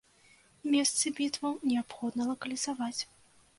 Месцы бітваў неабходна лакалізаваць.